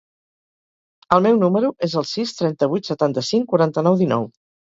El meu número es el sis, trenta-vuit, setanta-cinc, quaranta-nou, dinou.